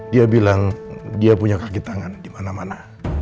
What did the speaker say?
dia bilang dia punya kaki tangan dimana mana